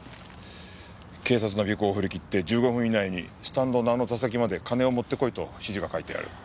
警察の尾行をふりきって１５分以内にスタンドのあの座席まで金を持ってこいと指示が書いてある。